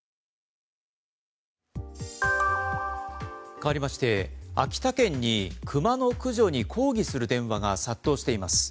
かわりまして秋田県にクマの駆除に抗議する電話が殺到しています。